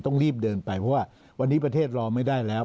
ต้องรีบเดินไปเพราะว่าวันนี้ประเทศรอไม่ได้แล้ว